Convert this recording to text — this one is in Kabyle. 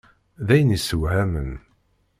D ayen isewhamen.